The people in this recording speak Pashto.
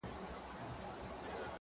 o ماخو ستا غمونه ځوروي گلي ؛